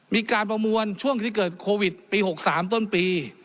มีการประมวลช่วงที่เกิดโควิดปี๖๓ต้นปี